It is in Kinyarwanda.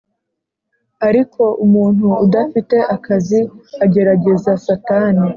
ariko umuntu udafite akazi agerageza satani